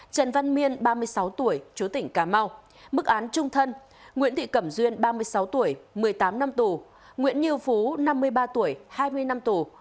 trần văn miên ba mươi sáu tuổi chú tỉnh cà mau mức án trung thân nguyễn thị cẩm duyên ba mươi sáu tuổi một mươi tám năm tù nguyễn nhiêu phú năm mươi ba tuổi hai mươi năm tù